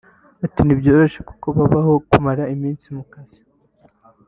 Ati” ntibyoroshye kuko habaho kumara iminsi mu kazi